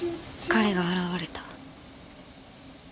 彼が現れた。